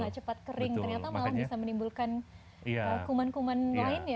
tidak cepat kering ternyata malah bisa menimbulkan kuman kuman lainnya gitu ya